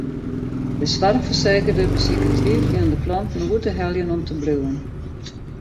De soarchfersekerder besiket twiveljende klanten oer te heljen om te bliuwen.